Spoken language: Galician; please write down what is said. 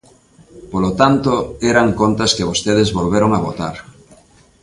Polo tanto, eran contas que vostedes volveron a votar.